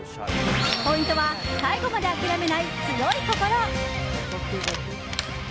ポイントは最後まで諦めない強い心。